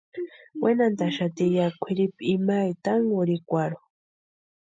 Wenhantʼaxati ya kwʼiripu ima tankurhikwarhu.